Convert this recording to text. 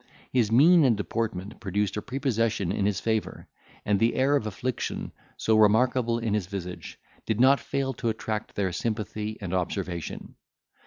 His mien and deportment produced a prepossession in his favour; and the air of affliction, so remarkable in his visage, did not fail to attract their sympathy and observation.